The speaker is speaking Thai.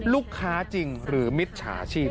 ลูกค้าจริงหรือมิจฉาชีพ